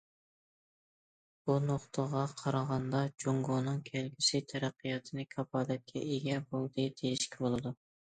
بۇ نۇقتىغا قارىغاندا، جۇڭگونىڭ كەلگۈسى تەرەققىياتىنى كاپالەتكە ئىگە بولدى دېيىشكە بولىدۇ.